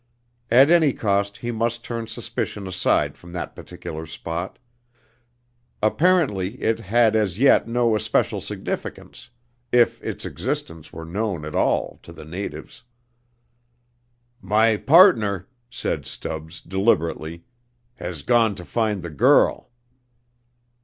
At any cost he must turn suspicion aside from that particular spot. Apparently it had as yet no especial significance, if its existence were known at all, to the natives. "My partner," said Stubbs, deliberately, "has gone to find the girl."